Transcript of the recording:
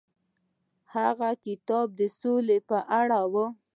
هغه کتاب د سولې په اړه و.